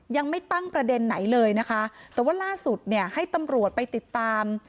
ยังไม่ตั้งประเด็นไหนเลยนะคะแต่ว่าล่าสุดเนี่ยให้ตำรวจไปติดตาม